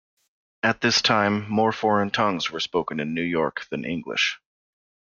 At this time, more foreign tongues were spoken in New York than English.